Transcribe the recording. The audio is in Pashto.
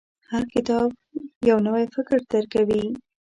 • هر کتاب، یو نوی فکر درکوي.